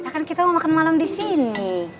ya kan kita mau makan malam disini